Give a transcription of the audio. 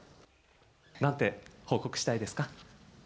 なんて報告したいですか？